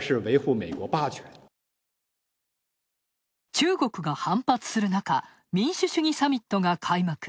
中国が反発する中、民主主義サミットが開幕。